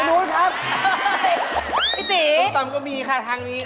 โอ้โฮจะเดินทางนี้